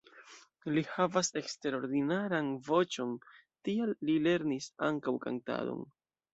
Li havas eksterordinaran voĉon, tial li lernis ankaŭ kantadon.